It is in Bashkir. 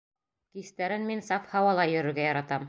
Кистәрен мин саф һауала йөрөргә яратам.